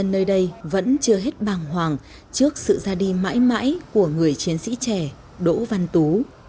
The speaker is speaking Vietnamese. nhưng nơi đây vẫn chưa hết bàng hoàng trước sự ra đi mãi mãi của người chiến sĩ trẻ đỗ văn tú